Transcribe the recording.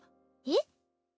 えっ？